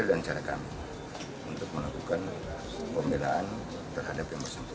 badan narkotika mengamankan satu alat hisap sabu sabu